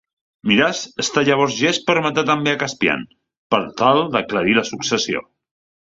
Miraz està llavors llest per matar també a Caspian, per tal d'aclarir la successió.